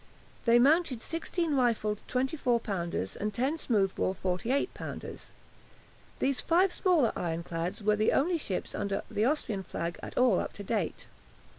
They mounted sixteen rifled 24 pounders and ten smooth bore 48 pounders. These five smaller ironclads were the only ships under the Austrian flag at all up to date.